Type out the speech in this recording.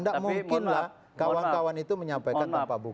tidak mungkinlah kawan kawan itu menyampaikan tanpa bukti